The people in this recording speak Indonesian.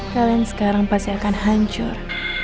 kalian sekarang pasti akan hancur